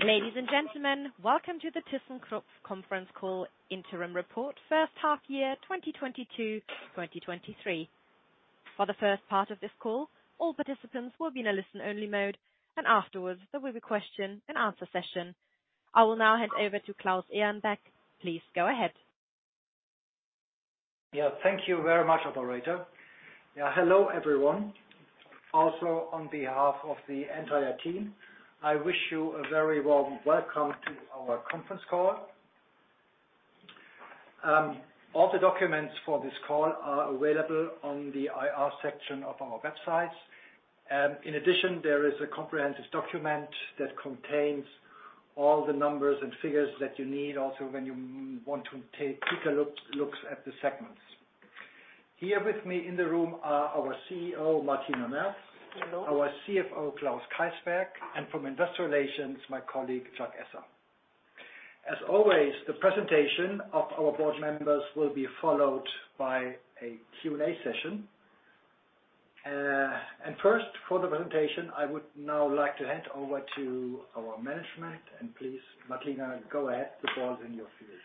Ladies and gentlemen, welcome to the thyssenkrupp conference call interim report first half year 2022/2023. For the first part of this call, all participants will be in a listen-only mode, and afterwards there will be question and answer session. I will now hand over to Andreas Trösch. Please go ahead. Thank you very much, operator. Hello, everyone. Also, on behalf of the entire team, I wish you a very warm welcome to our conference call. All the documents for this call are available on the IR section of our website. In addition, there is a comprehensive document that contains all the numbers and figures that you need, also when you want to take a look, looks at the segments. Here with me in the room are our CEO, Martina Merz. Hello. Our CFO, Klaus Keysberg, and from Investor Relations, my colleague, Jacques Esser. As always, the presentation of our board members will be followed by a Q&A session. First, for the presentation, I would now like to hand over to our management. Please, Martina, go ahead. The ball is in your field.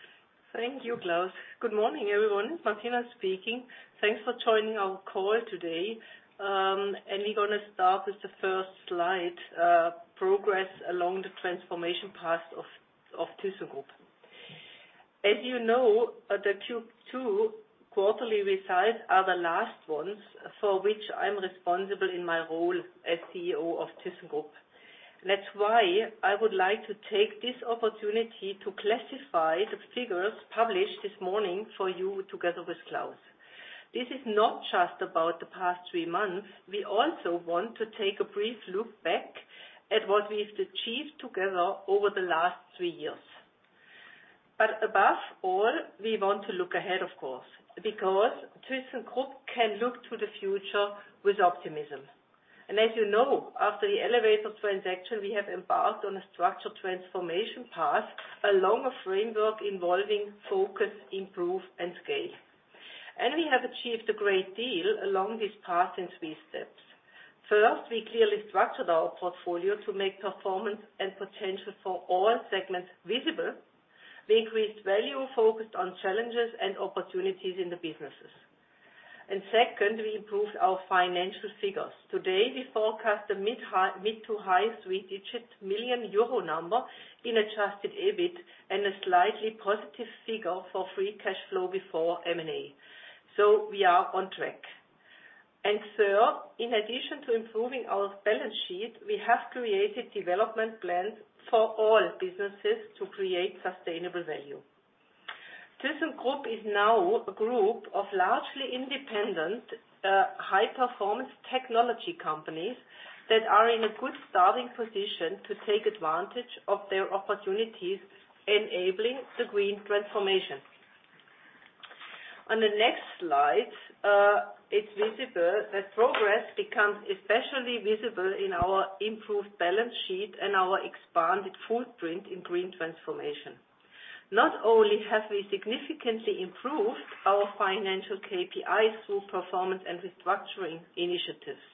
Thank you, Andreas. Good morning, everyone. Martina speaking. Thanks for joining our call today. We're gonna start with the first slide, progress along the transformation path of thyssenkrupp. As you know, the Q2 quarterly results are the last ones for which I'm responsible in my role as CEO of thyssenkrupp. That's why I would like to take this opportunity to classify the figures published this morning for you together with Klaus. This is not just about the past three months, we also want to take a brief look back at what we've achieved together over the last three years. Above all, we want to look ahead, of course, because thyssenkrupp can look to the future with optimism. As you know, after the elevator transaction, we have embarked on a structured transformation path along a framework involving focus, improve and scale. We have achieved a great deal along this path in three steps. First, we clearly structured our portfolio to make performance and potential for all segments visible. We increased value focused on challenges and opportunities in the businesses. Second, we improved our financial figures. Today, we forecast a mid to high three-digit million euro number in adjusted EBIT and a slightly positive figure for Free Cash Flow before M&A. We are on track. Third, in addition to improving our balance sheet, we have created development plans for all businesses to create sustainable value. thyssenkrupp is now a group of largely independent, high-performance technology companies that are in a good starting position to take advantage of their opportunities enabling the green transformation. On the next slide, it's visible that progress becomes especially visible in our improved balance sheet and our expanded footprint in green transformation. Not only have we significantly improved our financial KPIs through performance and restructuring initiatives.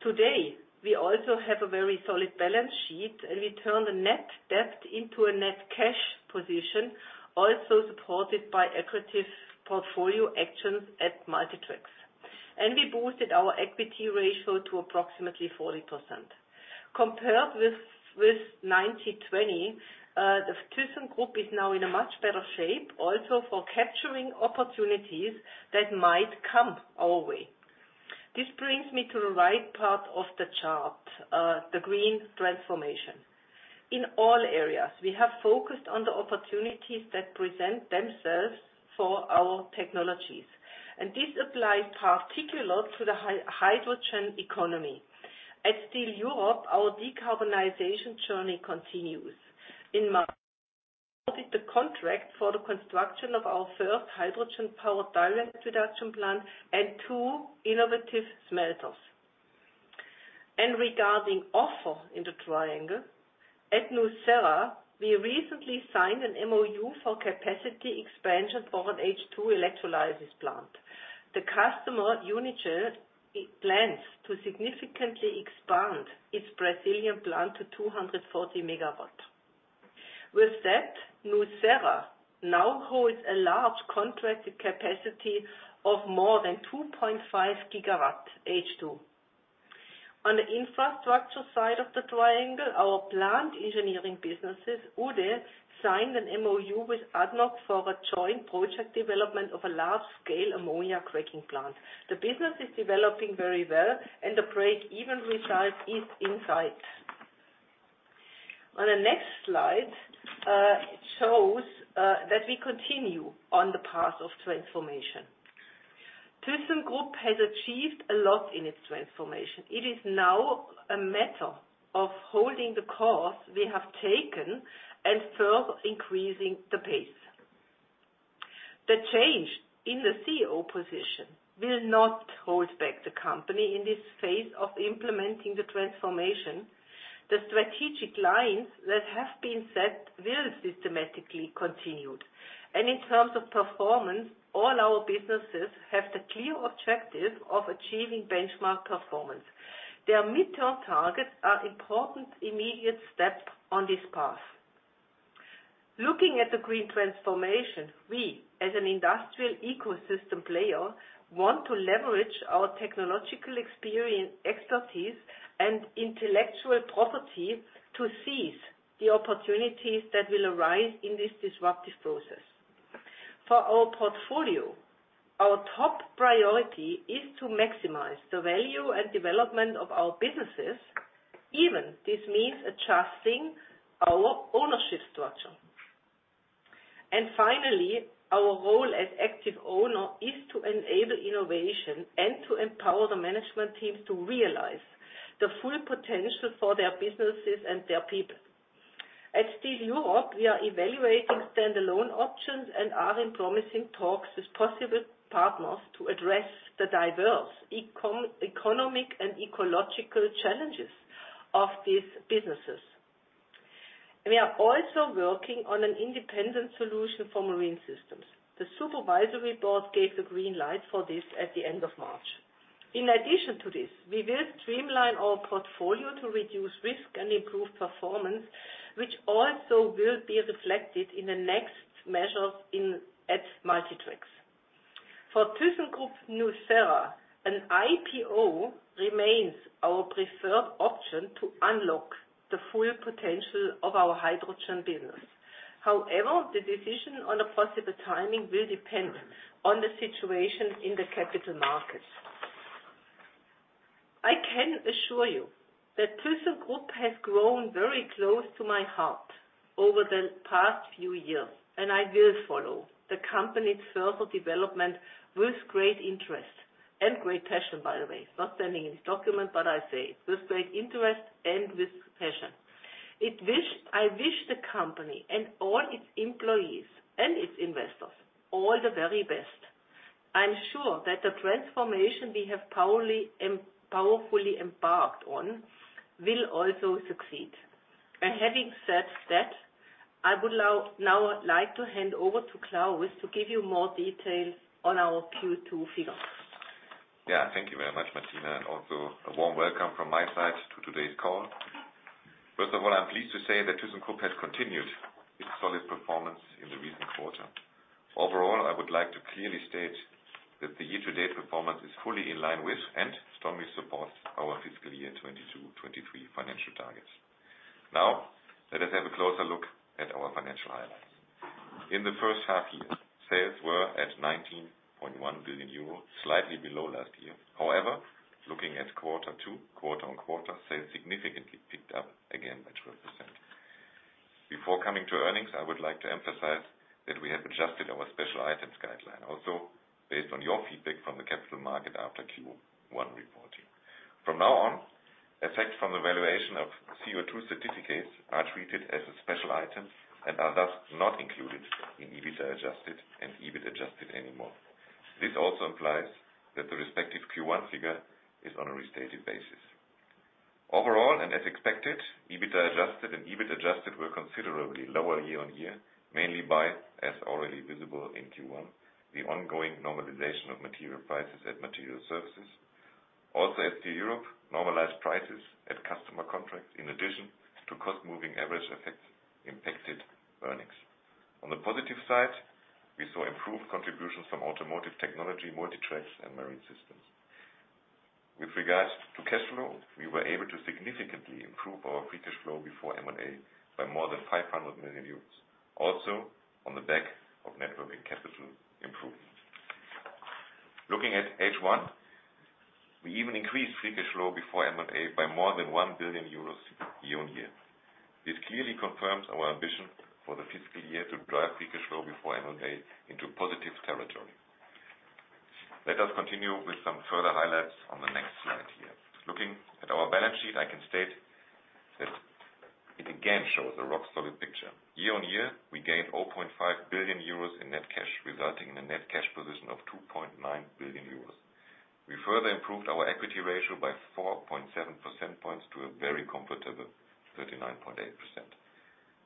Today, we also have a very solid balance sheet, and we turn the net debt into a net cash position, also supported by accretive portfolio actions at Multi Tracks. We boosted our equity ratio to approximately 40%. Compared with 1920, thyssenkrupp is now in a much better shape, also for capturing opportunities that might come our way. This brings me to the right part of the chart, the green transformation. In all areas, we have focused on the opportunities that present themselves for our technologies, and this applies particular to the hydrogen economy. At Steel Europe, our decarbonization journey continues. In March, we awarded the contract for the construction of our first hydrogen-powered direct reduction plant and two innovative smelters. Regarding offer in the triangle, at Nucera, we recently signed an MoU for capacity expansion for an H2 electrolysis plant. The customer, Unigel, it plans to significantly expand its Brazilian plant to 240 MW. With that, Nucera now holds a large contracted capacity of more than 2.5 GW H2. On the infrastructure side of the triangle, our plant engineering businesses, Uhde, signed an MoU with ADNOC for a joint project development of a large-scale ammonia cracking plant. The business is developing very well, and the break-even result is in sight. On the next slide, it shows that we continue on the path of transformation. thyssenkrupp has achieved a lot in its transformation. It is now a matter of holding the course we have taken and further increasing the pace. The change in the CEO position will not hold back the company in this phase of implementing the transformation. The strategic line that has been set will systematically continued. In terms of performance, all our businesses have the clear objective of achieving benchmark performance. Their mid-term targets are important immediate step on this path. Looking at the green transformation, we as an industrial ecosystem player, want to leverage our technological experience, expertise and intellectual property to seize the opportunities that will arise in this disruptive process. For our portfolio, our top priority is to maximize the value and development of our businesses, even this means adjusting our ownership structure. Finally, our role as active owner is to enable innovation and to empower the management teams to realize the full potential for their businesses and their people. At Steel Europe, we are evaluating stand-alone options and are in promising talks with possible partners to address the diverse eco-economic and ecological challenges of these businesses. We are also working on an independent solution for Marine Systems. The supervisory board gave the green light for this at the end of March. In addition to this, we will streamline our portfolio to reduce risk and improve performance, which also will be reflected in the next measures at Multi Tracks. For thyssenkrupp nucera, an IPO remains our preferred option to unlock the full potential of our hydrogen business. However, the decision on a possible timing will depend on the situation in the capital markets. I can assure you that thyssenkrupp has grown very close to my heart over the past few years. I will follow the company's further development with great interest and great passion by the way. It's not standing in this document. I say it with great interest and with passion. I wish the company and all its employees and its investors all the very best. I'm sure that the transformation we have powerfully embarked on will also succeed. Having said that, I would now like to hand over to Klaus to give you more details on our Q2 figures. Yeah. Thank you very much, Martina, and also a warm welcome from my side to today's call. I'm pleased to say that thyssenkrupp has continued its solid performance in the recent quarter. I would like to clearly state that the year-to-date performance is fully in line with and strongly supports our fiscal year 2022, 2023 financial targets. Let us have a closer look at our financial highlights. In the first half year, sales were at 19.1 billion euro, slightly below last year. Looking at Q2, quarter-on-quarter, sales significantly picked up again by 12%. Before coming to earnings, I would like to emphasize that we have adjusted our special items guideline, also based on your feedback from the capital market after Q1 reporting. From now on, effects from the valuation of CO2 certificates are treated as a special item and are thus not included in EBITDA adjusted and EBIT adjusted anymore. This also implies that the respective Q1 figure is on a restated basis. Overall, and as expected, EBITDA adjusted and EBIT adjusted were considerably lower year-on-year, mainly by, as already visible in Q1, the ongoing normalization of material prices at Materials Services. At Steel Europe, normalized prices at customer contracts in addition to cost moving average effects impacted earnings. On the positive side, we saw improved contributions from Automotive Technology, Multi Tracks, and Marine Systems. With regards to cash flow, we were able to significantly improve our Free Cash Flow before M&A by more than 500 million euros, also on the back of Net Working Capital improvement. Looking at H1, we even increased Free Cash Flow before M&A by more than 1 billion euros year-on-year. This clearly confirms our ambition for the fiscal year to drive Free Cash Flow before M&A into positive territory. Let us continue with some further highlights on the next slide here. Looking at our balance sheet, I can state that it again shows a rock-solid picture. Year-on-year, we gained 0.5 billion euros in net cash, resulting in a net cash position of 2.9 billion euros. We further improved our equity ratio by 4.7 percentage points to a very comfortable 39.8%.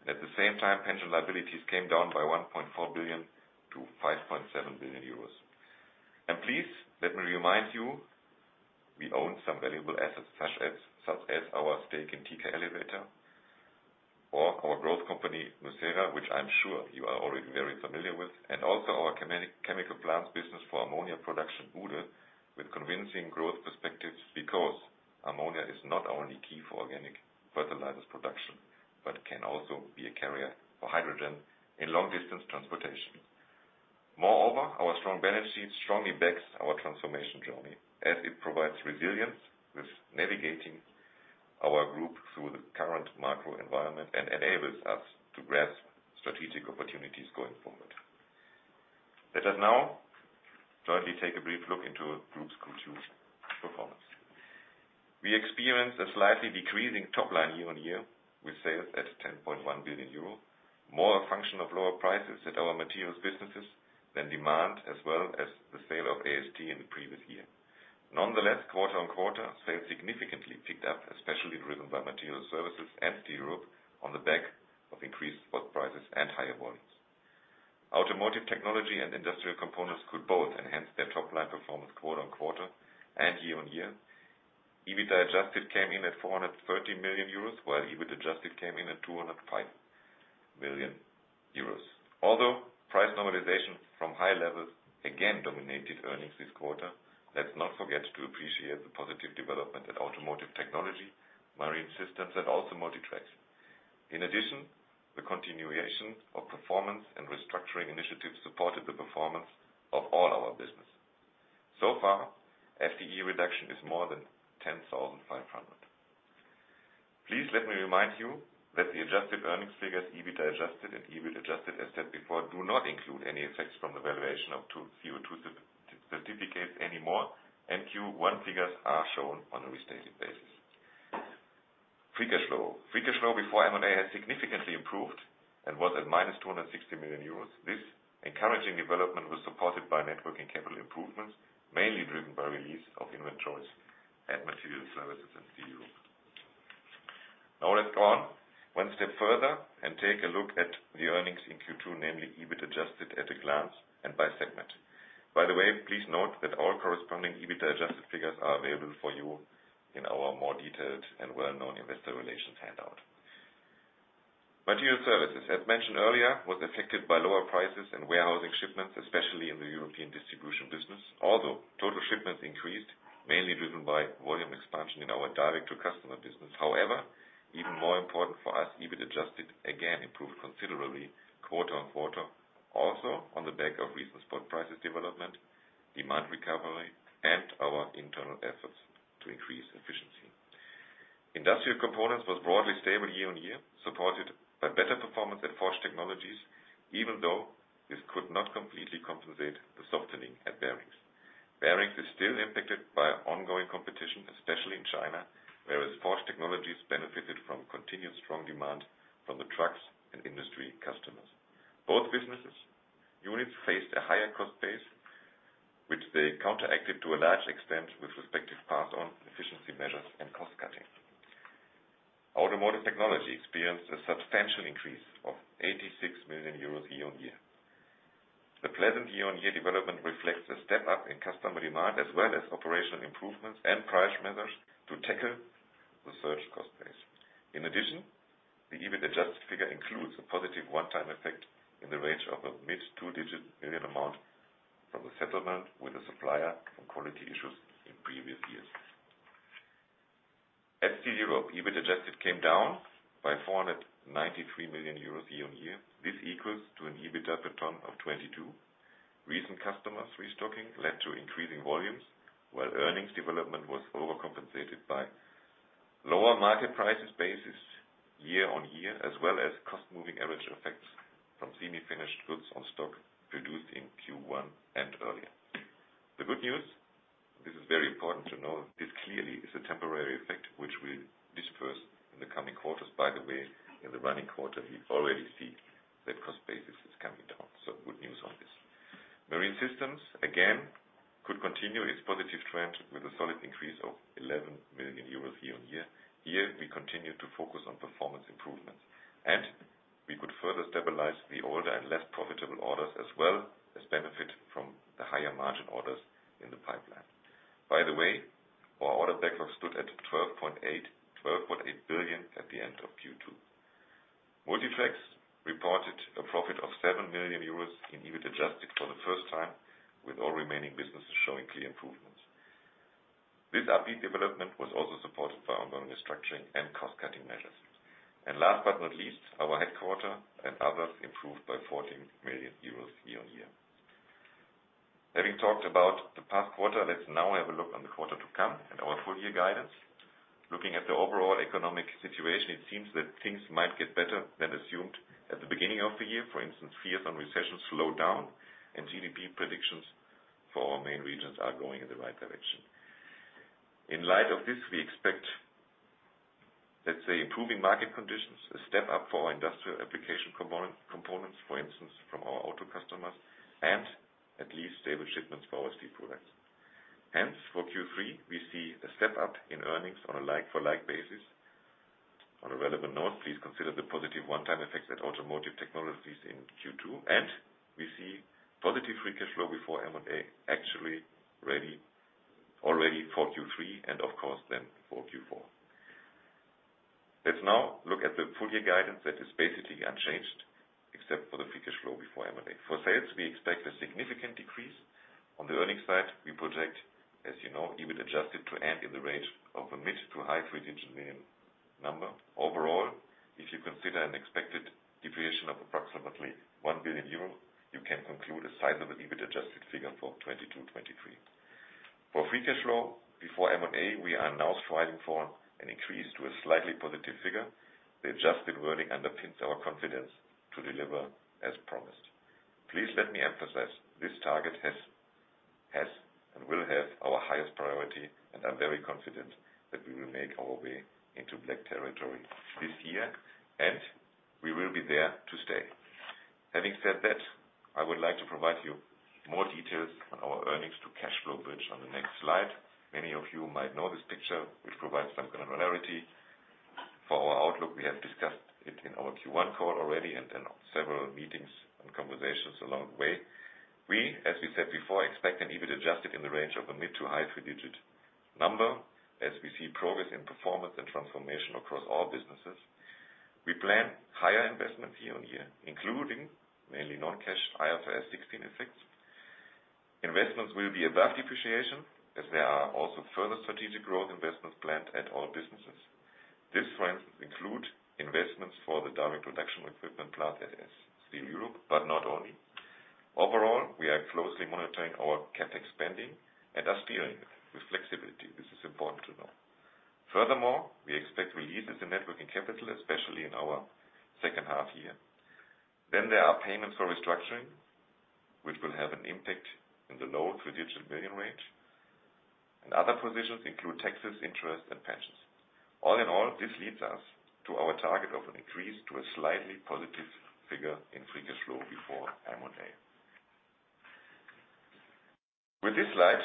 At the same time, pension liabilities came down by 1.4 billion to 5.7 billion euros. Please let me remind you, we own some valuable assets such as our stake in TK Elevator or our growth company, nucera, which I'm sure you are already very familiar with, and also our chemical plants business for ammonia production, Uhde, with convincing growth perspectives because ammonia is not only key for organic fertilizers production, but can also be a carrier for hydrogen in long-distance transportation. Moreover, our strong balance sheet strongly backs our transformation journey as it provides resilience with navigating our group through the current macro environment and enables us to grasp strategic opportunities going forward. Let us now jointly take a brief look into Group's Q2 performance. We experienced a slightly decreasing top line year-on-year with sales at 10.1 billion euro, more a function of lower prices at our materials businesses than demand as well as the sale of AST in the previous year. Quarter-on-quarter sales significantly picked up, especially driven by Materials Services and Steel Europe on the back of increased spot prices and higher volumes. Automotive Technology and Industrial Components could both enhance their top-line performance quarter-on-quarter and year-on-year. EBITDA adjusted came in at 430 million euros, while EBIT adjusted came in at 205 million euros. Price normalization from high levels again dominated earnings this quarter, let's not forget to appreciate the positive development at Automotive Technology, Marine Systems, and also Multi Tracks. The continuation of performance and restructuring initiatives supported the performance of all our business. FTE reduction is more than 10,500. Please let me remind you that the adjusted earnings figures, EBITDA adjusted and EBIT adjusted, as said before, do not include any effects from the valuation of 2 CO2 certificates anymore, and Q1 figures are shown on a restated basis. Free cash flow. Free Cash Flow before M&A has significantly improved and was at minus 260 million euros. This encouraging development was supported by Net Working Capital improvements, mainly driven by release of inventories at Materials Services and Steel Europe. Now let's go on one step further and take a look at the earnings in Q2, namely EBIT adjusted at a glance and by segment. By the way, please note that all corresponding EBITDA adjusted figures are available for you in our more detailed and well-known investor relations handout. Materials Services, as mentioned earlier, was affected by lower prices and warehousing shipments, especially in the European distribution business, although total shipments increased, mainly driven by volume expansion in our direct-to-consumer business. Even more important for us, EBIT adjusted again improved considerably quarter-on-quarter also on the back of recent spot prices development, demand recovery, and our internal efforts to increase efficiency. Industrial Components was broadly stable year-on-year, supported by better performance at Forged Technologies, even though this could not completely compensate the softening at Bearings. Bearings is still impacted by ongoing competition, especially in China, whereas Forged Technologies benefited from continued strong demand from the trucks and industry customers. Both businesses' units faced a higher cost base, which they counteracted to a large extent with respective pass on efficiency measures and cost cutting. Automotive Technology experienced a substantial increase of 86 million euros year-on-year. The pleasant year-on-year development reflects a step up in customer demand as well as operational improvements and price measures to tackle the search cost base. In addition, the EBIT adjusted figure includes a positive one-time effect in the range of a mid-two-digit million amount from a settlement with a supplier on quality issues in previous years. At Steel Europe, EBIT adjusted came down by 493 million euros year-on-year. This equals to an EBIT per ton of 22. Recent customers restocking led to increasing volumes, while earnings development was overcompensated by lower market prices basis year-on-year, as well as cost moving average effects from semi-finished goods on stock produced in Q1 and earlier. The good news, this is very important to know, this clearly is a temporary effect which will disperse in the coming quarters. In the running quarter, we already see that cost basis is coming down. Good news on this. Marine Systems, again, could continue its positive trend with a solid increase of 11 million euros year-on-year. Here we continue to focus on performance improvements, and we could further stabilize the older and less profitable orders, as well as benefit from the higher margin orders in the pipeline. Our order backlog stood at 12.8 billion at the end of Q2. Multi Tracks reported a profit of 7 million euros in EBIT adjusted for the first time, with all remaining businesses showing clear improvements. This upbeat development was also supported by ongoing restructuring and cost-cutting measures. Last but not least, our headquarter and others improved by 14 million euros year-on-year. Having talked about the past quarter, let's now have a look on the quarter to come and our full year guidance. Looking at the overall economic situation, it seems that things might get better than assumed at the beginning of the year. For instance, fears on recession slowdown and GDP predictions for our main regions are going in the right direction. In light of this, we expect, let's say, improving market conditions, a step up for our industrial application components, for instance, from our auto customers, and at least stable shipments for our steel products. Hence, for Q3, we see a step up in earnings on a like-for-like basis. On a relevant note, please consider the positive one-time effects at Automotive Technology in Q2, and we see positive Free Cash Flow before M&A actually ready, already for Q3 and of course then for Q4. Let's now look at the full year guidance that is basically unchanged except for the Free Cash Flow before M&A. For sales, we expect a significant decrease. On the earnings side, we project, as you know, EBIT adjusted to end in the range of a mid to high 3-digit million number. Overall, if you consider an expected deviation of approximately 1 billion euros, you can conclude a sizable EBIT adjusted figure for 2022, 2023. For Free Cash Flow before M&A, we are now striving for an increase to a slightly positive figure. The adjusted wording underpins our confidence to deliver as promised. Please let me emphasize, this target has and will have our highest priority. I'm very confident that we will make our way into black territory this year. We will be there to stay. Having said that, I would like to provide you more details on our earnings to cash flow bridge on the next slide. Many of you might know this picture, which provides some commonality. Our outlook, we have discussed it in our Q1 call already and in several meetings and conversations along the way. We, as we said before, expect an EBIT adjusted in the range of a mid to high three-digit number as we see progress in performance and transformation across all businesses. We plan higher investments year-on-year, including mainly non-cash IFRS 16 effects. Investments will be above depreciation as there are also further strategic growth investments planned at all businesses. This, for instance, include investments for the direct reduction equipment plant at Steel Europe, not only. Overall, we are closely monitoring our CapEx spending and are steering it with flexibility. This is important to know. Furthermore, we expect releases in Net Working Capital, especially in our second half year. There are payments for restructuring, which will have an impact in the low 3-digit million range. Other positions include taxes, interest and pensions. All in all, this leads us to our target of an increase to a slightly positive figure in Free Cash Flow before M&A. With this slide,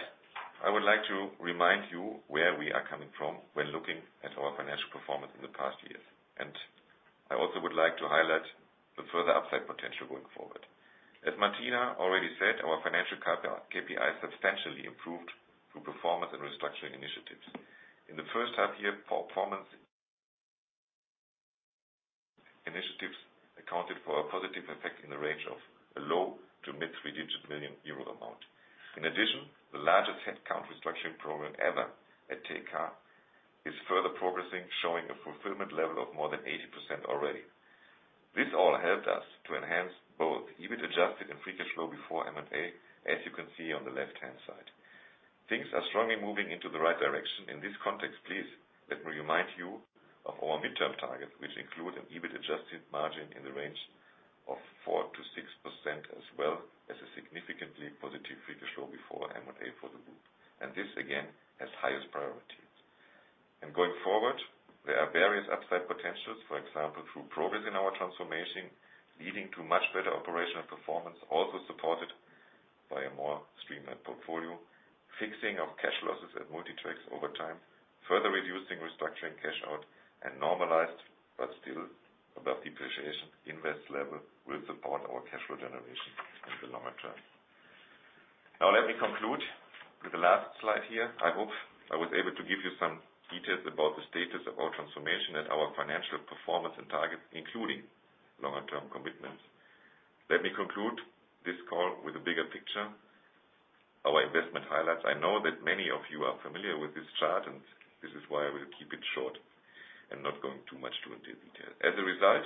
I would like to remind you where we are coming from when looking at our financial performance in the past years. I also would like to highlight the further upside potential going forward. As Martina already said, our financial CapEx, KPI substantially improved through performance and restructuring initiatives. In the first half-year, performance initiatives accounted for a positive effect in the range of a low to mid 3-digit million euro. In addition, the largest headcount restructuring program ever at TK is further progressing, showing a fulfillment level of more than 80% already. This all helped us to enhance both EBIT adjusted and Free Cash Flow before M&A, as you can see on the left-hand side. Things are strongly moving into the right direction. In this context, please let me remind you of our mid-term target, which include an EBIT adjusted margin in the range of 4%-6% as well as a significantly positive Free Cash Flow before M&A for the group. This again has highest priority. Going forward, there are various upside potentials, for example, through progress in our transformation, leading to much better operational performance, also supported by a more streamlined portfolio. Fixing of cash losses at Multi Tracks over time, further reducing restructuring cash out and normalized but still above depreciation invest level will support our cash flow generation in the longer term. Let me conclude with the last slide here. I hope I was able to give you some details about the status of our transformation and our financial performance and targets, including longer term commitments. Let me conclude this call with a bigger picture. Our investment highlights. I know that many of you are familiar with this chart, and this is why I will keep it short and not going too much into detail. As a result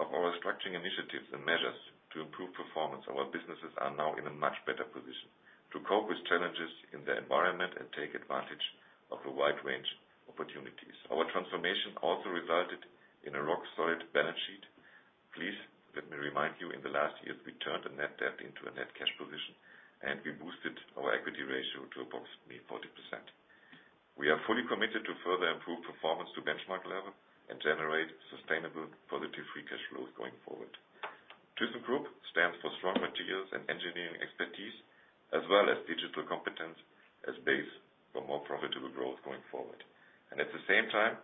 of our structuring initiatives and measures to improve performance, our businesses are now in a much better position to cope with challenges in their environment and take advantage of a wide range of opportunities. Our transformation also resulted in a rock-solid balance sheet. Please let me remind you, in the last years, we turned a net debt into a net cash position, and we boosted our equity ratio to approximately 40%. We are fully committed to further improve performance to benchmark level and generate sustainable positive free cash flows going forward. thyssenkrupp stands for strong materials and engineering expertise as well as digital competence as base for more profitable growth going forward. At the same time,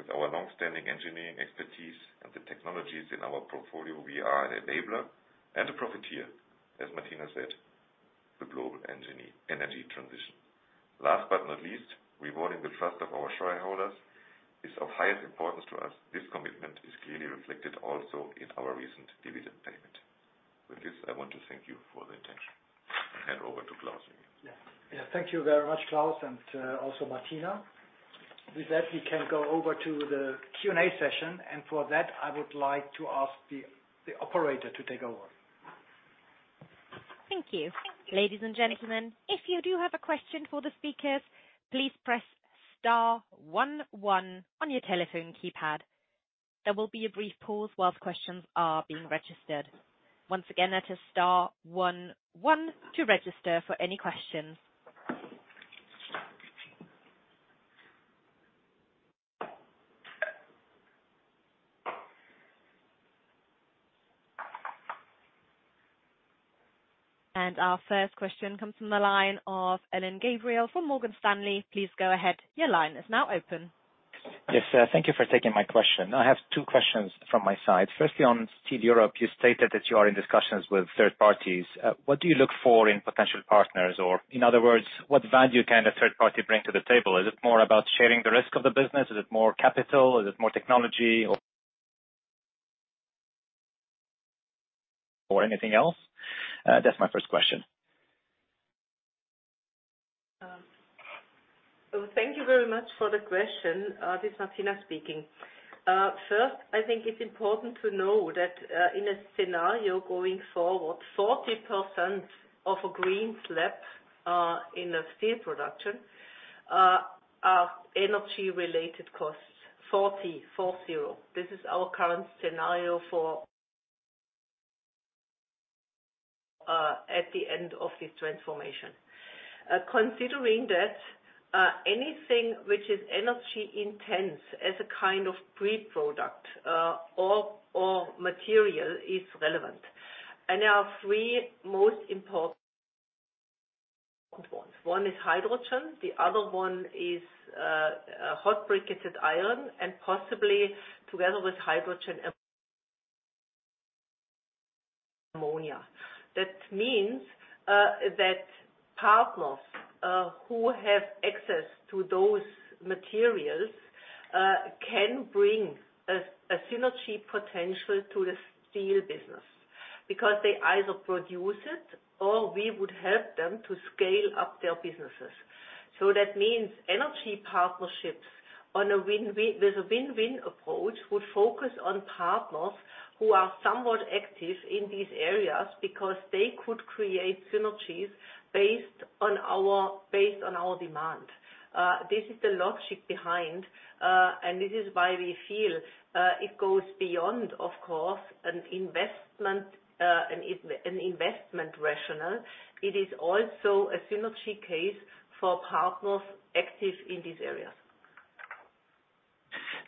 with our long-standing engineering expertise and the technologies in our portfolio, we are an enabler and a profiteer, as Martina said, the global energy transition. Last but not least, rewarding the trust of our shareholders is of highest importance to us. This commitment is clearly reflected also in our recent dividend payment. With this, I want to thank you for the attention and hand over to Andreas again. Yeah. Thank you very much, Klaus, and also Martina. With that, we can go over to the Q&A session, and for that, I would like to ask the operator to take over. Thank you. Ladies and gentlemen, if you do have a question for the speakers, please press star one one on your telephone keypad. There will be a brief pause while the questions are being registered. Once again, that is star one one to register for any questions. Our first question comes from the line of Alain Gabriel from Morgan Stanley. Please go ahead. Your line is now open. Yes. Thank you for taking my question. I have two questions from my side. Firstly, on Steel Europe, you stated that you are in discussions with third parties. What do you look for in potential partners? Or in other words, what value can a third party bring to the table? Is it more about sharing the risk of the business? Is it more capital? Is it more technology or anything else? That's my first question. Thank you very much for the question. This is Martina speaking. First, I think it's important to know that in a scenario going forward, 40% of a green slab in a steel production are energy-related costs. 40, four zero. This is our current scenario for At the end of this transformation. Considering that, anything which is energy intense as a kind of pre-product, or material is relevant, and there are three most important ones. One is hydrogen, the other one is, Hot Briquetted Iron, and possibly together with hydrogen, ammonia. That means, that partners, who have access to those materials, can bring a synergy potential to the steel business because they either produce it or we would help them to scale up their businesses. That means energy partnerships with a win-win approach would focus on partners who are somewhat active in these areas because they could create synergies based on our demand. This is the logic behind, this is why we feel, it goes beyond, of course, an investment rationale. It is also a synergy case for partners active in these areas.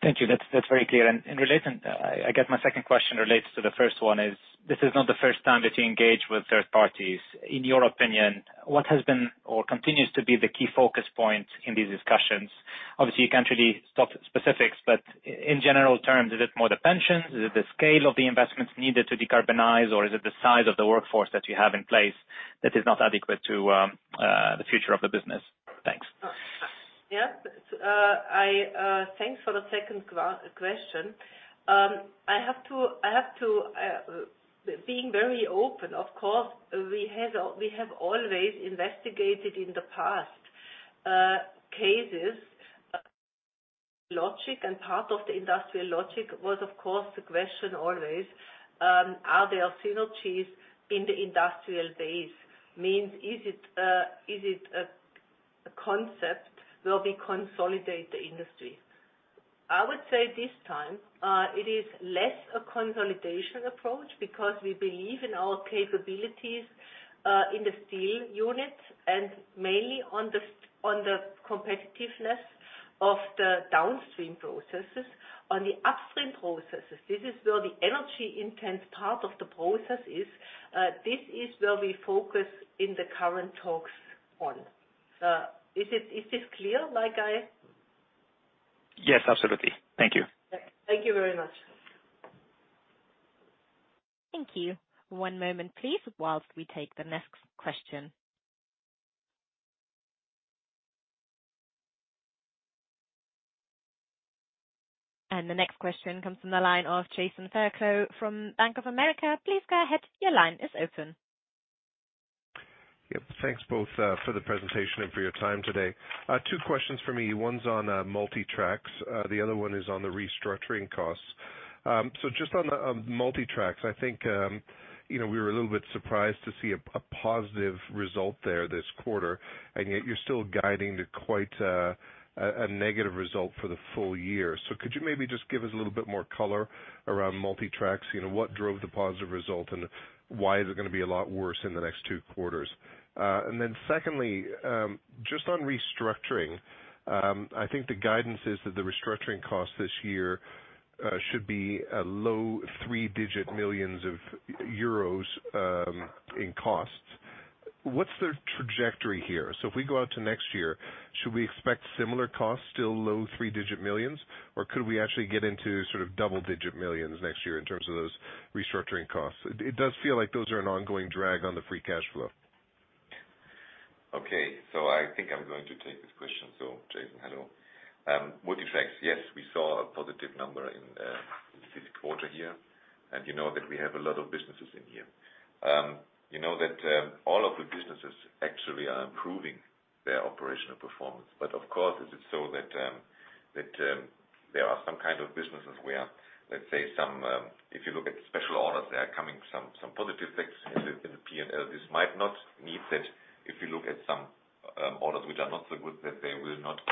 Thank you. That's very clear. Related, I guess my second question relates to the first one, is this is not the first time that you engage with third parties. In your opinion, what has been or continues to be the key focus point in these discussions? Obviously, you can't really stop specifics, but in general terms, is it more the pensions? Is it the scale of the investments needed to decarbonize, or is it the size of the workforce that you have in place that is not adequate to the future of the business? Thanks. Yes. Thanks for the second question. I have to be very open, of course, we have always investigated in the past cases logic, and part of the industrial logic was, of course, the question always, are there synergies in the industrial base? Means is it a concept where we consolidate the industry. I would say this time, it is less a consolidation approach because we believe in our capabilities in the steel units and mainly on the competitiveness of the downstream processes. On the upstream processes, this is where the energy intense part of the process is. This is where we focus in the current talks on. Is this clear? Yes, absolutely. Thank you. Thank you very much. Thank you. One moment, please, while we take the next question. The next question comes from the line of Jason Fairclough from Bank of America. Please go ahead. Your line is open. Yep. Thanks both for the presentation and for your time today. Two questions for me. One's on Multi Tracks. The other one is on the restructuring costs. Just on the Multi Tracks, I think, you know, we were a little bit surprised to see a positive result there this quarter, and yet you're still guiding to quite a negative result for the full year. Could you maybe just give us a little bit more color around Multi Tracks? You know, what drove the positive result, and why is it gonna be a lot worse in the next two quarters? Secondly, just on restructuring, I think the guidance is that the restructuring costs this year should be a low 3-digit millions of EUR in costs. What's the trajectory here? If we go out to next year, should we expect similar costs, still low 3-digit millions? Could we actually get into sort of double digit millions next year in terms of those restructuring costs? It does feel like those are an ongoing drag on the Free Cash Flow. Okay. I think I'm going to take this question. Jason, hello. Multi Tracks, yes, we saw a positive number in the fifth quarter here, and you know that we have a lot of businesses in here. You know that all of the businesses actually are improving their operational performance. Of course, it is so that there are some kind of businesses where, let's say some, if you look at special orders, there are coming some positive effects in the P&L. This might not mean that if you look at some orders which are not so good, that they will not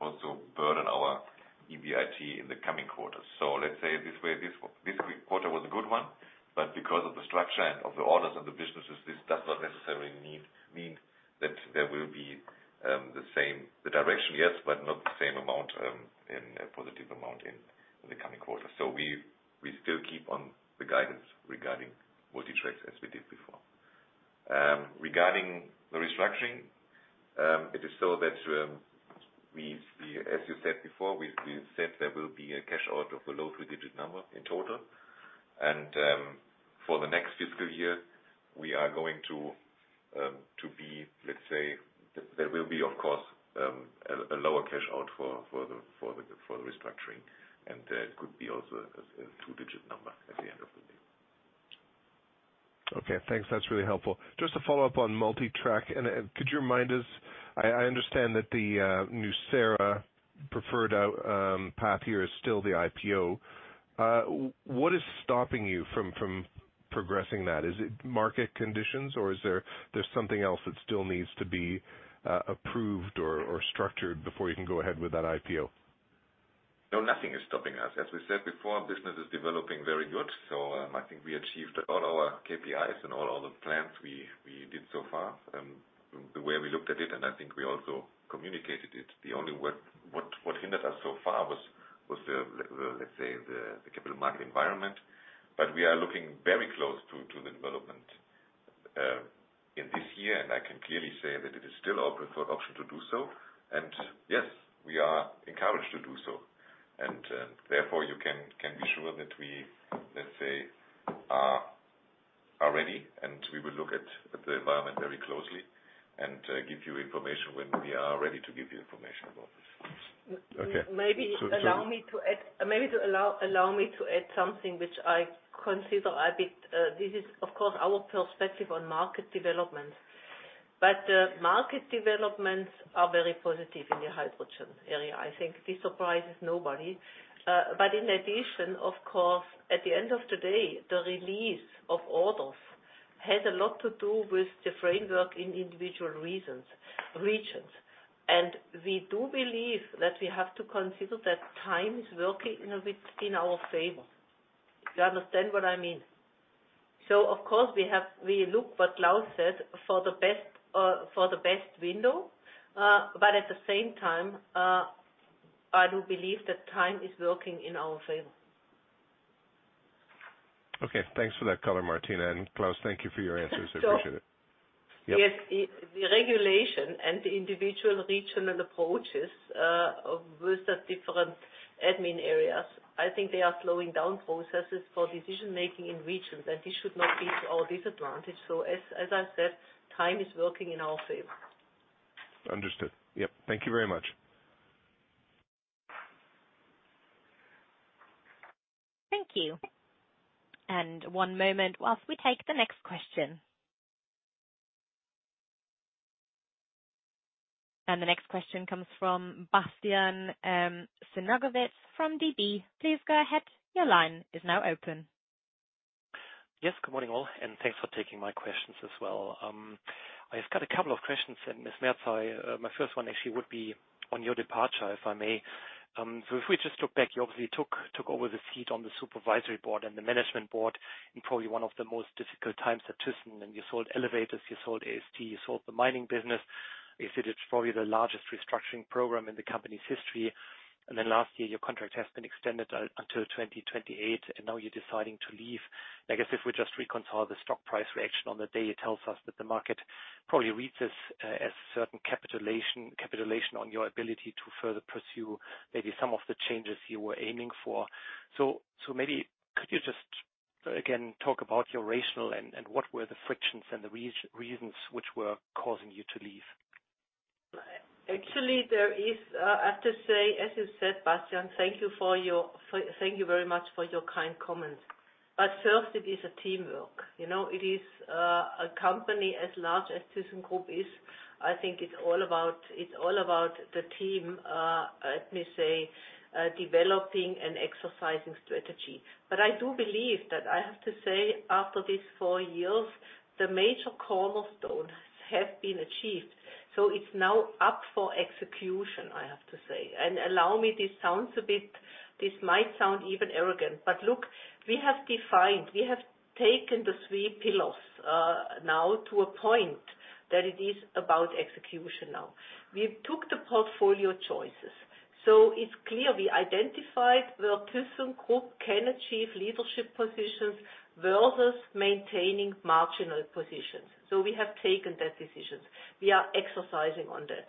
also burden our EBIT in the coming quarters. Let's say this way, this quarter was a good one, but because of the structure and of the orders and the businesses, this does not necessarily mean that there will be the same, the direction, yes, but not the same amount, in a positive amount in the coming quarters. We still keep on the guidance regarding Multi Tracks as we did before. Regarding the restructuring, it is so that we, as you said before, we said there will be a cash out of a low three-digit number in total. For the next fiscal year, we are going to be, let's say there will be of course, a lower cash out for the restructuring, and there could be also a two-digit number at the end of the day. Okay, thanks. That's really helpful. Just to follow up on Multi Tracks, could you remind us, I understand that the thyssenkrupp nucera preferred path here is still the IPO. What is stopping you from progressing that? Is it market conditions, or is there something else that still needs to be approved or structured before you can go ahead with that IPO? No, nothing is stopping us. As we said before, business is developing very good. I think we achieved all our KPIs and all the plans we did so far. The way we looked at it, and I think we also communicated it, the only what hindered us so far was the, let's say the capital market environment. We are looking very close to the development in this year. I can clearly say that it is still open for option to do so. Yes, we are encouraged to do so. Therefore you can be sure that we, let's say, are ready, and we will look at the environment very closely and give you information when we are ready to give you information about this. Okay. Allow me to add something which I consider a bit, this is of course our perspective on market development. Market developments are very positive in the hydrogen area. I think this surprises nobody. In addition, of course, at the end of the day, the release of orders has a lot to do with the framework in individual reasons, regions. We do believe that we have to consider that time is working a bit in our favor. Do you understand what I mean? Of course we look what Klaus said for the best, for the best window. At the same time, I do believe that time is working in our favor. Okay. Thanks for that color, Martina. Klaus, thank you for your answers. I appreciate it. So- Yep. Yes. The regulation and the individual regional approaches, with the different admin areas, I think they are slowing down processes for decision making in regions, and this should not be to our disadvantage. As I said, time is working in our favor. Understood. Yep. Thank you very much. Thank you. One moment whilst we take the next question. The next question comes from Bastian Synagowitz from Deutsche Bank. Please go ahead. Your line is now open. Yes, good morning all. Thanks for taking my questions as well. I've got a couple of questions. Ms. Merz, my first one actually would be on your departure, if I may. If we just look back, you obviously took over the seat on the supervisory board and the management board in probably one of the most difficult times at thyssenkrupp. You sold Elevators, you sold AST, you sold the Mining business. I said it's probably the largest restructuring program in the company's history. Last year, your contract has been extended until 2028, and now you're deciding to leave. I guess if we just reconcile the stock price reaction on the day, it tells us that the market probably reads this as certain capitulation on your ability to further pursue maybe some of the changes you were aiming for. Maybe could you just, again, talk about your rationale and what were the frictions and the reasons which were causing you to leave? Actually, I have to say, as you said, Bastian, thank you very much for your kind comments. First it is a teamwork. You know, it is a company as large as thyssenkrupp is, I think it's all about the team, let me say, developing and exercising strategy. I do believe that I have to say, after these four years, the major cornerstones have been achieved. It's now up for execution, I have to say. Allow me, this sounds a bit, this might sound even arrogant, but look, we have defined, we have taken the three pillars, now to a point that it is about execution now. We took the portfolio choices, it's clear we identified where thyssenkrupp can achieve leadership positions versus maintaining marginal positions. We have taken that decision. We are exercising on that.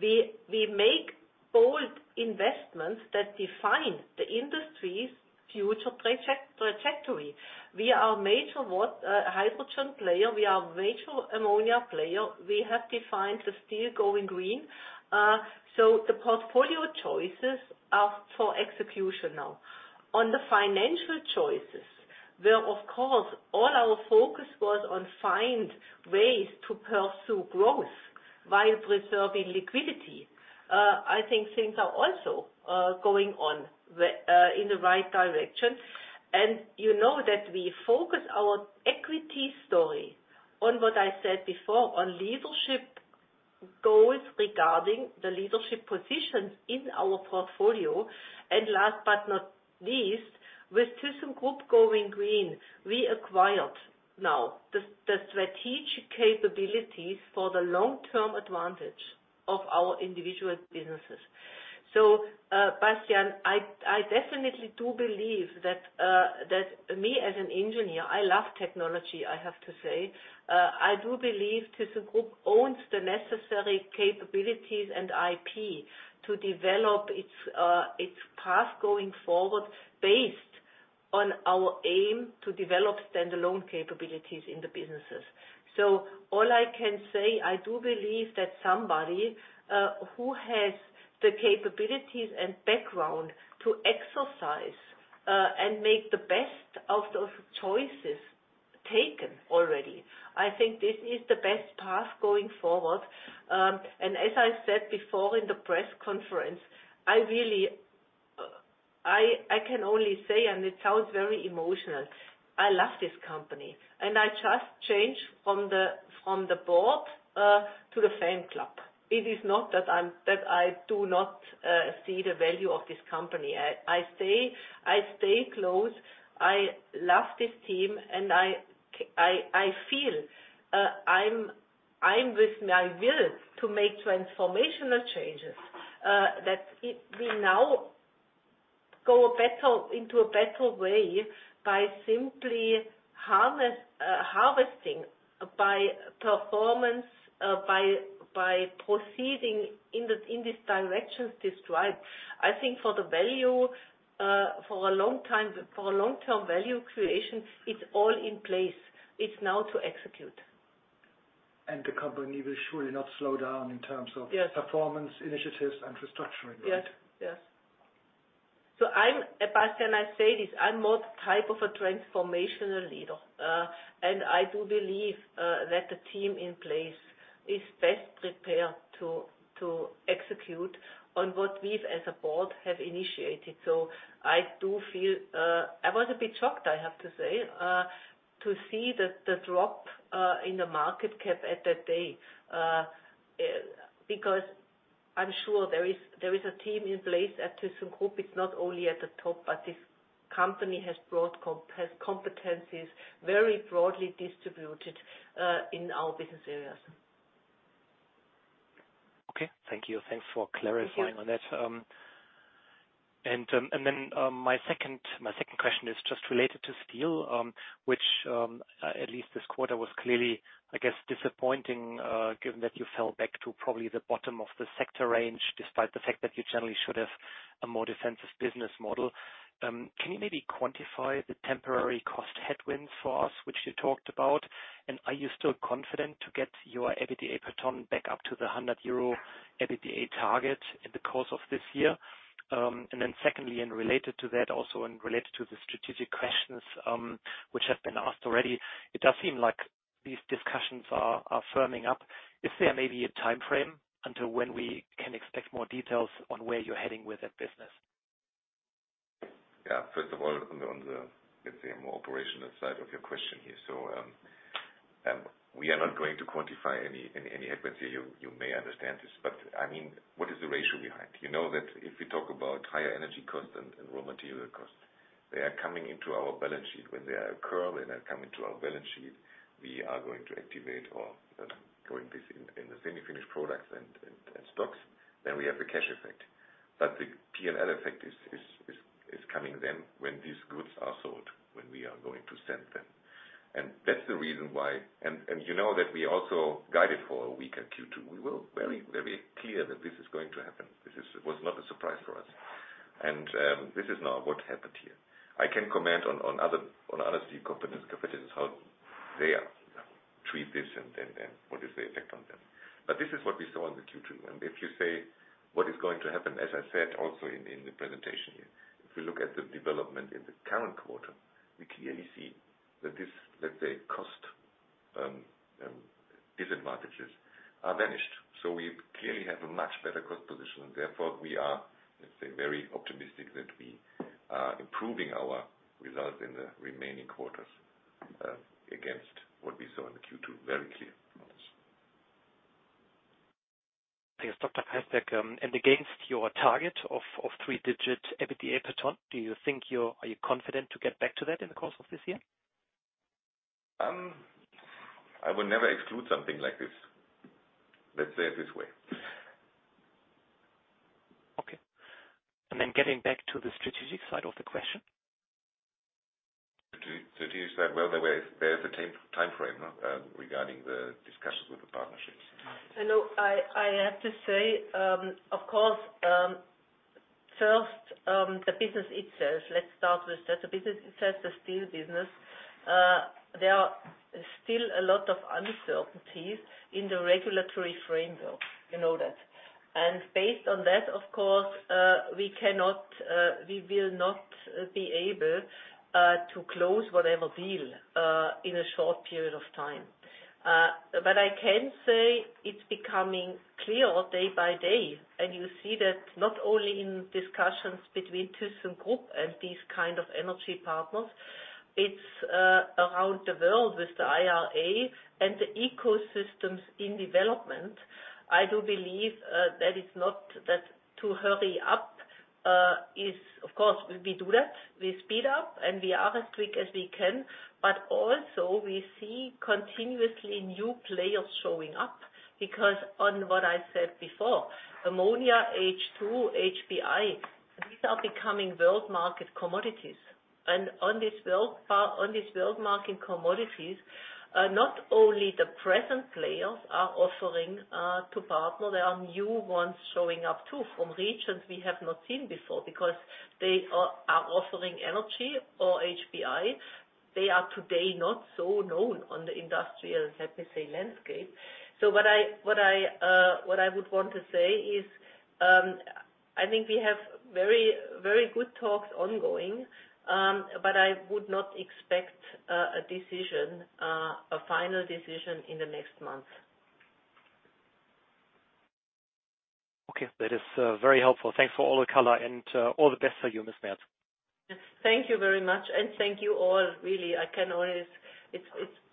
We make bold investments that define the industry's future project-trajectory. We are a major hydrogen player. We are a major ammonia player. We have defined the steel going green. The portfolio choices are for execution now. On the financial choices, where of course, all our focus was on find ways to pursue growth while preserving liquidity. I think things are also going on the in the right direction. You know that we focus our equity story on what I said before, on leadership goals regarding the leadership positions in our portfolio. Last but not least, with thyssenkrupp going green, we acquired now the strategic capabilities for the long-term advantage of our individual businesses. Bastian, I definitely do believe that me as an engineer, I love technology, I have to say. I do believe thyssenkrupp owns the necessary capabilities and IP to develop its path going forward based on our aim to develop standalone capabilities in the businesses. All I can say, I do believe that somebody who has the capabilities and background to exercise and make the best of those choices taken already. I think this is the best path going forward. As I said before in the press conference, I really, I can only say, and it sounds very emotional, I love this company, and I just change from the, from the board to the fan club. It is not that I do not see the value of this company. I stay close. I love this team, and I feel, I'm with my will to make transformational changes, that it will now go better into a better way by simply harvesting by performance, by proceeding in these directions described. I think for the value, for a long time, for long-term value creation, it's all in place. It's now to execute. The company will surely not slow down in terms of- Yes. -performance initiatives and restructuring, right? Yes. Yes. I'm, Sebastian, I say this, I'm not type of a transformational leader. I do believe that the team in place is best prepared to execute on what we've, as a board, have initiated. I do feel I was a bit shocked, I have to say, to see the drop in the market cap at that day, because I'm sure there is a team in place at thyssenkrupp. It's not only at the top, but this company has competencies very broadly distributed in our business areas. Okay. Thank you. Thanks for clarifying on that. Thank you. My second question is just related to steel, which at least this quarter was clearly, I guess, disappointing, given that you fell back to probably the bottom of the sector range, despite the fact that you generally should have a more defensive business model. Can you maybe quantify the temporary cost headwinds for us, which you talked about? Are you still confident to get your EBITDA per ton back up to the 100 euro EBITDA target in the course of this year? Secondly, and related to that also, and related to the strategic questions, which have been asked already, it does seem like these discussions are firming up. Is there maybe a timeframe until when we can expect more details on where you're heading with that business? Yeah. First of all, on the, let's say, more operational side of your question here. We are not going to quantify any adversity. You may understand this, but I mean, what is the ratio behind? You know that if we talk about higher energy costs and raw material costs, they are coming into our balance sheet when they occur. When they come into our balance sheet, we are going to activate or going this in the semi-finished products and stocks, then we have the cash effect. The P&L effect is coming then when these goods are sold, when we are going to send them. That's the reason why. You know that we also guided for a weaker Q2. We were very, very clear that this is going to happen. This was not a surprise for us. This is now what happened here. I can comment on other steel companies, competitors, how they are treat this and what is the effect on them. This is what we saw in the Q2. If you say what is going to happen, as I said also in the presentation here, if you look at the development in the current quarter, we clearly see that this, let's say, cost disadvantages are vanished. We clearly have a much better cost position, and therefore we are, let's say, very optimistic that we are improving our results in the remaining quarters against what we saw in the Q2. Very clear on this. Yes. Dr. Keysberg, against your target of 3-digit EBITDA per ton, do you think are you confident to get back to that in the course of this year? I would never exclude something like this. Let's say it this way. Okay. Then getting back to the strategic side of the question. To use that well, there is a timeframe regarding the discussions with the partnerships. You know, I have to say, of course, first, the business itself, let's start with that. The business itself, the steel business, there are still a lot of uncertainties in the regulatory framework. You know that. Based on that, of course, we cannot, we will not be able to close whatever deal in a short period of time. I can say it's becoming clear day by day, and you see that not only in discussions between thyssenkrupp and these kind of energy partners, it's around the world with the IRA and the ecosystems in development. I do believe that it's not that to hurry up, is of course we do that, we speed up, and we are as quick as we can. Also we see continuously new players showing up because on what I said before, ammonia, H2, HBI, these are becoming world market commodities. On this world market commodities, not only the present players are offering to partner, there are new ones showing up too from regions we have not seen before because they are offering energy or HBI. They are today not so known on the industrial, let me say, landscape. What I would want to say is, I think we have very, very good talks ongoing, but I would not expect a decision, a final decision in the next months. Okay, that is very helpful. Thanks for all the color and all the best for you, Ms. Merz. Thank you very much, and thank you all, really. It's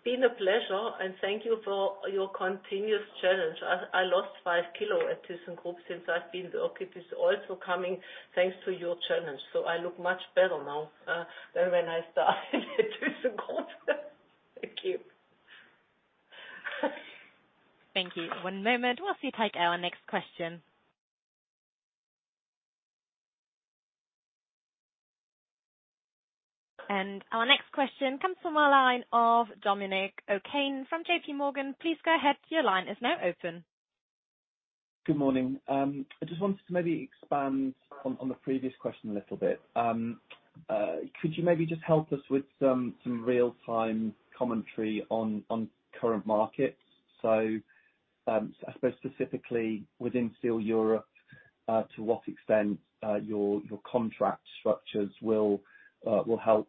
been a pleasure, and thank you for your continuous challenge. I lost 5 kilo at thyssenkrupp since I've been there. It is also coming, thanks to your challenge. I look much better now than when I started at thyssenkrupp. Thank you. Thank you. One moment while we take our next question. Our next question comes from the line of Dominic O'Kane from J.P. Morgan. Please go ahead, your line is now open. Good morning. I just wanted to maybe expand on the previous question a little bit. Could you maybe just help us with some real-time commentary on current markets? I suppose specifically within Steel Europe, to what extent your contract structures will help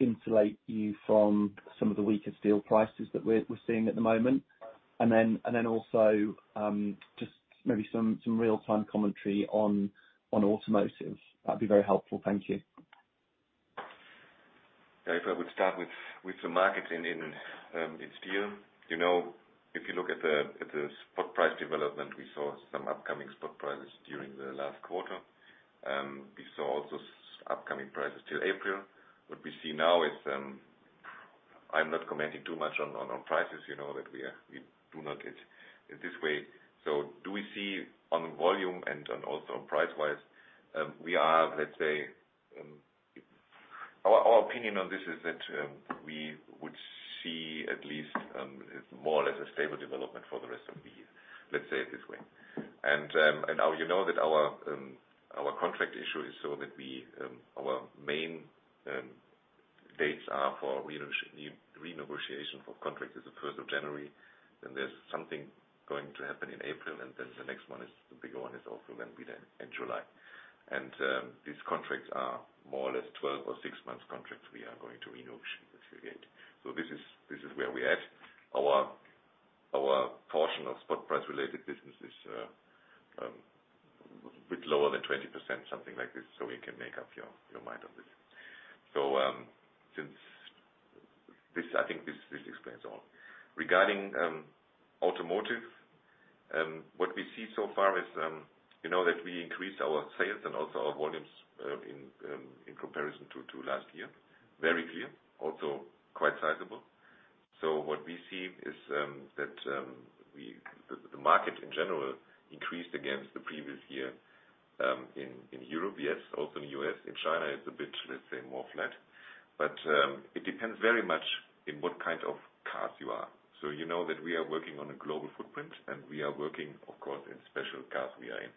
insulate you from some of the weaker steel prices that we're seeing at the moment. Also, just maybe some real-time commentary on automotive. That'd be very helpful. Thank you. Yeah, if I would start with the market in steel. You know, if you look at the spot price development, we saw some upcoming spot prices during the last quarter. We saw also upcoming prices 'til April. What we see now is I'm not commenting too much on our prices. You know that we do not get in this way. Do we see on volume and on also price-wise, we are, let's say, Our opinion on this is that we would see at least more or less a stable development for the rest of the year. Let's say it this way. Now you know that our contract issue is so that we our main dates are for renegotiation for contract is the first of January. There's something going to happen in April. The next one is, the bigger one, is also gonna be then in July. These contracts are more or less 12 or 6 months contracts we are going to renegotiate. This is where we're at. Our portion of spot price related business is a bit lower than 20%, something like this, so we can make up your mind on this. Since this, I think this explains all. Regarding automotive, what we see so far is, you know that we increased our sales and also our volumes in comparison to last year. Very clear, also quite sizable. What we see is that the market in general increased against the previous year in Europe. Yes, also in the U.S. In China, it's a bit, let's say, more flat. It depends very much in what kind of cars you are. You know that we are working on a global footprint, and we are working, of course, in special cars we are in.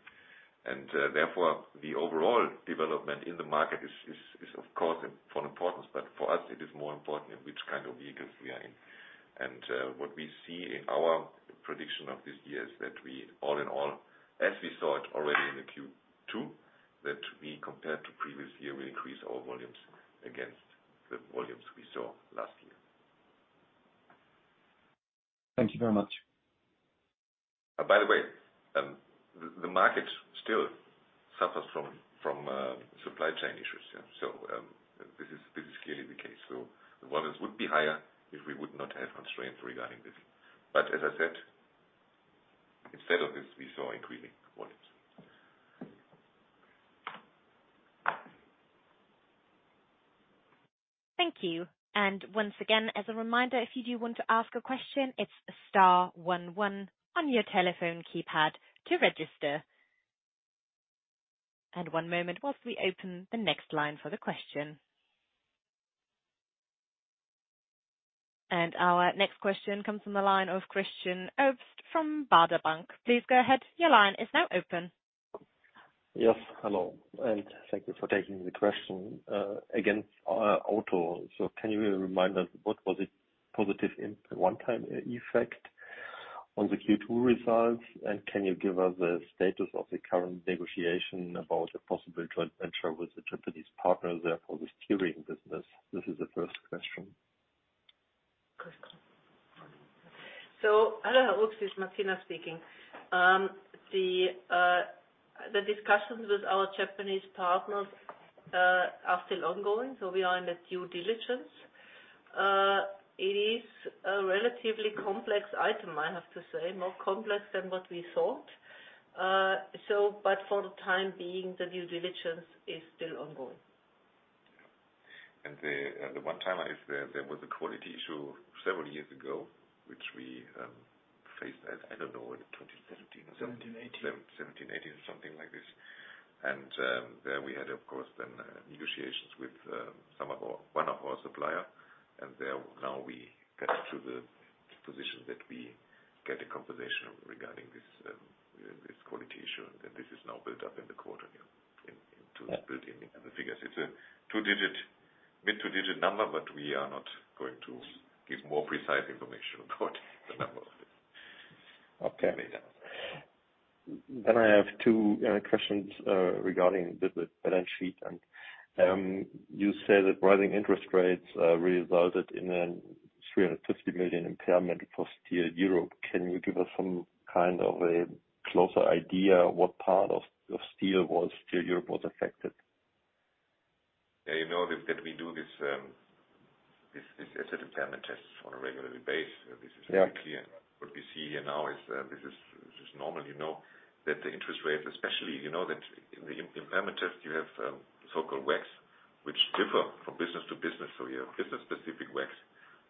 Therefore, the overall development in the market is of course of importance, but for us it is more important in which kind of vehicles we are in. What we see in our prediction of this year is that we all in all, as we saw it already in the Q2, that we compared to previous year, we increased our volumes against the volumes we saw last year. Thank you very much. The market still suffers from supply chain issues. This is clearly the case. The volumes would be higher if we would not have constraints regarding this. As I said, instead of this, we saw increasing volumes. Thank you. Once again, as a reminder, if you do want to ask a question, it's star one one on your telephone keypad to register. One moment while we open the next line for the question. Our next question comes from the line of Christian Obst from Baader Bank. Please go ahead. Your line is now open. Yes, hello, and thank you for taking the question. again, Automotive. Can you remind us what was the positive one time effect on the Q2 results? Can you give us the status of the current negotiation about the possible joint venture with the Japanese partners there for the steering business? This is the first question. Hello. Obst, it's Martina speaking. The discussions with our Japanese partners are still ongoing, so we are in a due diligence. It is a relatively complex item, I have to say, more complex than what we thought. For the time being, the due diligence is still ongoing. The one time is there was a quality issue several years ago, which we faced, I don't know, in 2017 or... 17, 18. 17, 18, something like this. There we had of course then negotiations with one of our supplier. There now we get to the position that we get a compensation regarding this quality issue. This is now built up in the quarter here, into this build in the figures. It's a two-digit, mid-two-digit number, but we are not going to give more precise information about the number of it. Okay. I have two questions regarding the balance sheet. You said that rising interest rates resulted in a 350 million impairment for Steel Europe. Can you give us some kind of a closer idea what part of Steel Europe was affected? Yeah, you know that we do this asset impairment test on a regular base. Yeah. This is very clear. What we see here now is, this is just normal, you know, that the interest rates, especially, you know that in the impairment test you have so-called WACC which differ from business to business. You have business specific WACC,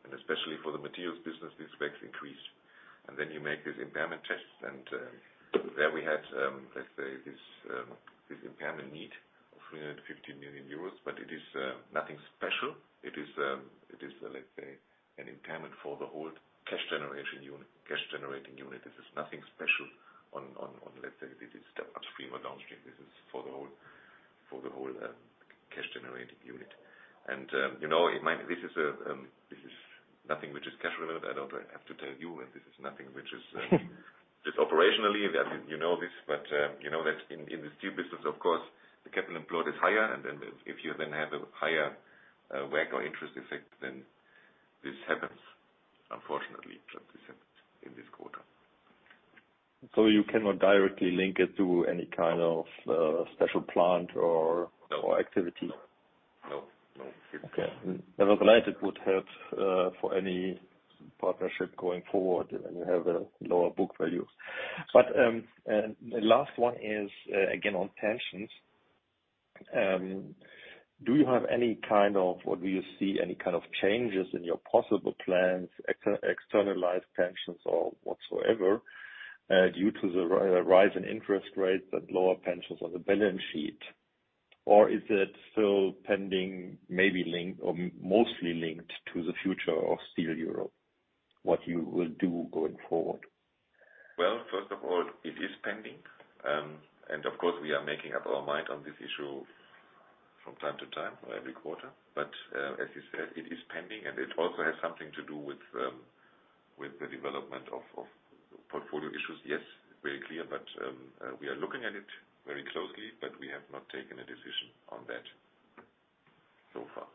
and especially for the materials business, these WACC increased. Then you make these impairment tests, and there we had, let's say, this impairment need of 350 million euros. It is nothing special. It is, let's say an impairment for the whole Cash Generating Unit. This is nothing special on, let's say this is upstream or downstream. This is for the whole Cash Generating Unit. You know, it might... This is nothing which is cash related. I don't have to tell you. This is nothing which is just operationally. You know this, but you know that in the Steel business of course the capital employed is higher. If you then have a higher WACC or interest effect, then this happens. Unfortunately, this happens in this quarter. You cannot directly link it to any kind of, special plant. No. or activity? No, no. Okay. Nevertheless, it would help for any partnership going forward, and you have a lower book value. The last one is again, on pensions. Do you have any kind of, or do you see any kind of changes in your possible plans, externalize pensions or whatsoever, due to the rise in interest rates that lower pensions on the balance sheet? Is it still pending, maybe linked or mostly linked to the future of Steel Europe, what you will do going forward? Well, first of all, it is pending. Of course, we are making up our mind on this issue from time to time or every quarter. As you said, it is pending, and it also has something to do with the development of portfolio issues. Yes, very clear. We are looking at it very closely, but we have not taken a decision on that so far.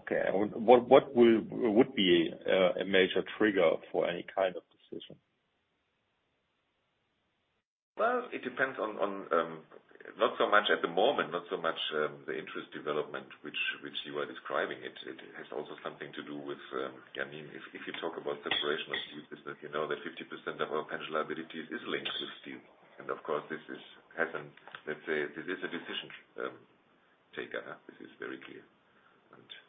Okay. What would be a major trigger for any kind of decision? Well, it depends on, not so much at the moment, not so much, the interest development which you are describing. It has also something to do with, I mean, if you talk about separation of Steel business, you know, that 50% of our pension liability is linked with Steel. Of course, let's say, this is a decision taker. This is very clear.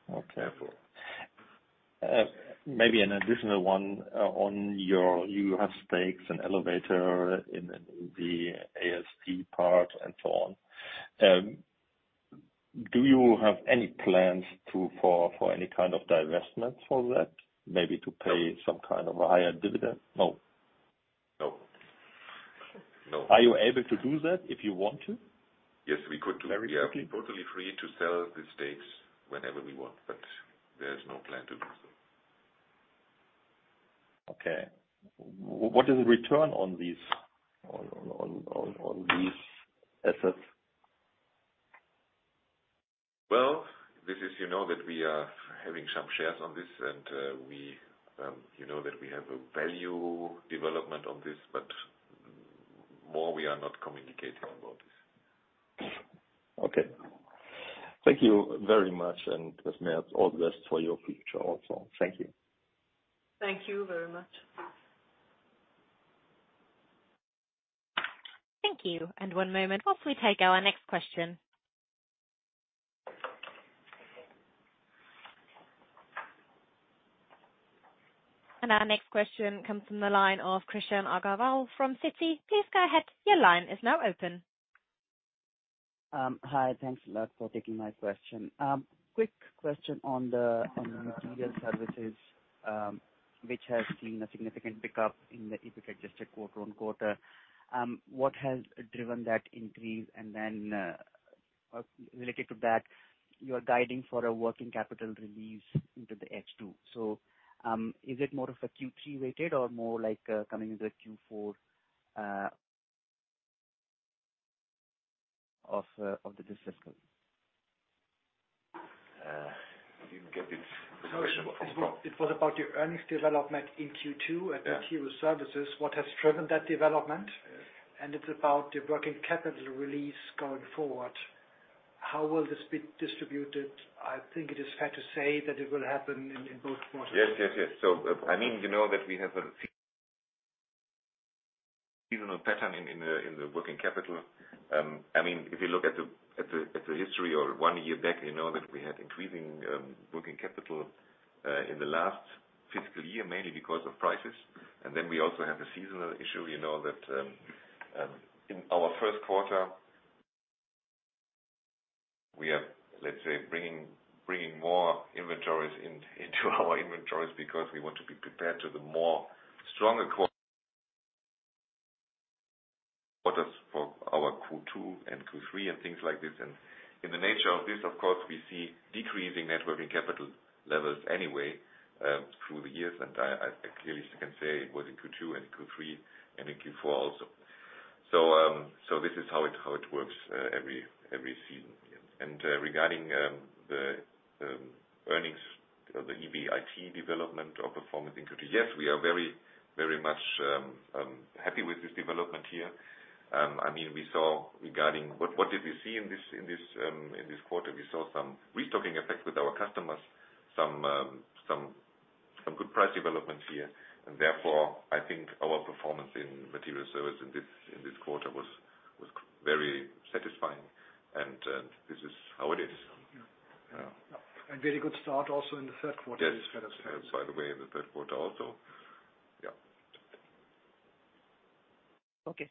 Okay. -careful. Maybe an additional one. On your, you have stakes in elevator, in the ASP part and so on. Do you have any plans to for any kind of divestment for that? Maybe to pay some kind of a higher dividend? No. No. No. Are you able to do that if you want to? Yes, we could do. Very quickly. We are totally free to sell the stakes whenever we want, but there is no plan to do so. Okay. What is the return on these assets? This is, you know that we are having some shares on this and we, you know that we have a value development on this, but more we are not communicating about this. Okay. Thank you very much. Ms. Merz, all the best for your future also. Thank you. Thank you very much. Thank you. One moment whilst we take our next question. Our next question comes from the line of Amit Agarwal from Citi. Please go ahead. Your line is now open. Hi. Thanks a lot for taking my question. Quick question on the, on the Materials Services, which has seen a significant pickup in the EBITDA adjusted quarter-on-quarter. What has driven that increase? Related to that, you are guiding for a working capital release into the H2. Is it more of a Q3 weighted or more like coming into the Q4 of the business cycle? I didn't get it. It was about your earnings development in Q2. Yeah. -at Materials Services. What has driven that development? Yes. It's about the Working Capital release going forward. How will this be distributed? I think it is fair to say that it will happen in both quarters. Yes, yes. I mean, you know that we have a seasonal pattern in the working capital. I mean, if you look at the history or 1 year back, you know that we had increasing working capital in the last fiscal year, mainly because of prices. We also have the seasonal issue. You know that in our 1st quarter we are, let's say bringing more inventories into our inventories because we want to be prepared to the more stronger quarters for our Q2 and Q3 and things like this. In the nature of this of course we see decreasing Net Working Capital levels anyway through the years. I clearly can say it was in Q2 and Q3 and in Q4 also. This is how it works every season. Regarding the earnings, the EBIT development or performance in Q3, yes, we are very much happy with this development here. I mean, we saw regarding what did we see in this, in this quarter? We saw some restocking effects with our customers. Some good price developments here. Therefore, I think our performance in Materials Services in this quarter was very satisfying, and this is how it is. Yeah. Yeah. A very good start also in the third quarter. Yes. By the way, in the third quarter also. Yeah. Okay.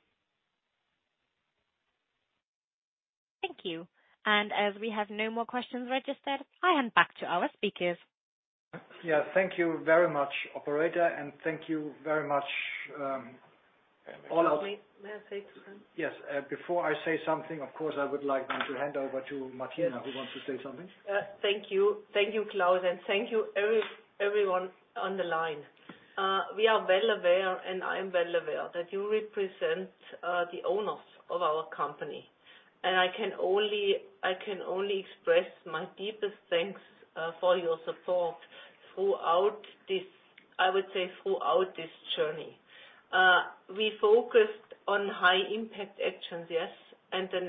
Thank you. As we have no more questions registered, I hand back to our speakers. Yeah, thank you very much, operator. Thank you very much. May I say something? Yes. Before I say something, of course, I would like now to hand over to Martina, who wants to say something. Thank you. Thank you, Andreas, thank you everyone on the line. We are well aware, I am well aware that you represent the owners of our company. I can only express my deepest thanks for your support throughout this, I would say, throughout this journey. We focused on high impact actions, yes. The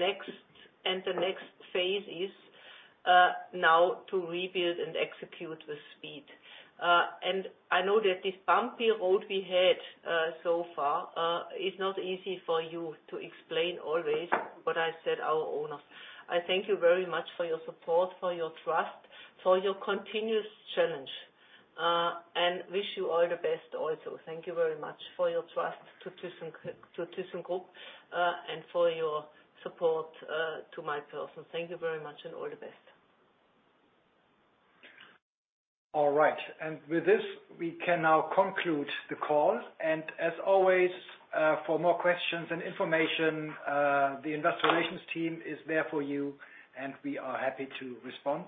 next phase is now to rebuild and execute with speed. I know that this bumpy road we had so far is not easy for you to explain always, but I said our owners. I thank you very much for your support, for your trust, for your continuous challenge, and wish you all the best also. Thank you very much for your trust to thyssenkrupp, and for your support to my person. Thank you very much and all the best. All right. With this, we can now conclude the call. As always, for more questions and information, the investor relations team is there for you, and we are happy to respond.